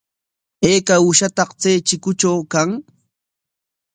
¿Ayka uushataq chay chikutraw kan?